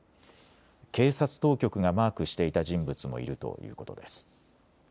警察当局がマークしていた人物もいるということです。